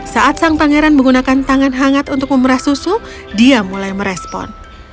saat sang pangeran menggunakan tangan hangat untuk memerah susu dia mulai merespon